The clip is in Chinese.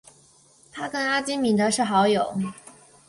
他跟阿基米德是好友。